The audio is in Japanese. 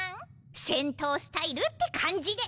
戦闘スタイルって感じで。